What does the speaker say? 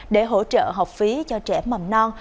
để hỗ trợ học phí cho trẻ mầm non